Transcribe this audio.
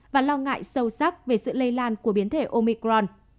và lo ngại sâu sắc về sự lây lan của biến thể omicron